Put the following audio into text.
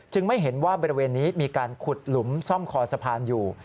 ไม่เห็นว่าบริเวณนี้มีการขุดหลุมซ่อมคอสะพานอยู่